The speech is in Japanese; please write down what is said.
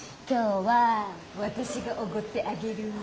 今日は私がおごってあげる。